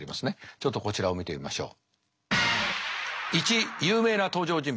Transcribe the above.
ちょっとこちらを見てみましょう。